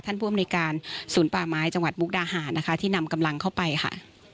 ผู้อำนวยการศูนย์ป่าไม้จังหวัดมุกดาหารนะคะที่นำกำลังเข้าไปค่ะ